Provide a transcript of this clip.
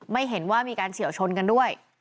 ไม่เห็นว่ามีการเฉียวชนกันด้วย